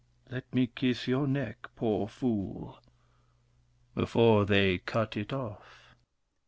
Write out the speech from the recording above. Let me kiss your neck, poor fool, Before they cut it off.